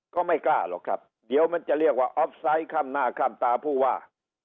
ก็ไม่กล้าหรอกครับเดี๋ยวมันจะเรียกว่าออฟไซต์ข้ามหน้าข้ามตาผู้ว่า